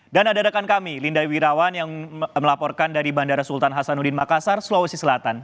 dan adakan kami linda wirawan yang melaporkan dari bandara sultan hasanuddin makassar sulawesi selatan